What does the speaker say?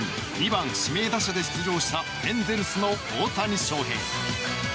２番指名打者で出場したエンゼルスの大谷翔平。